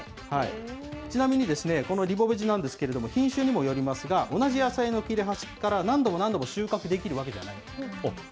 ちなみに、このリボベジなんですけれども、品種にもよりますが、同じ野菜の切れ端から何度も何度も収穫できるわけじゃない。